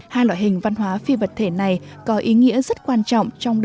hai loại hình văn hóa phi vật thể này có ý nghĩa rất quan trọng